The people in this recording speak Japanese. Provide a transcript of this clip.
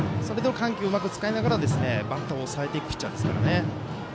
緩急をうまく使いながらバッターを抑えていくピッチャーですからね。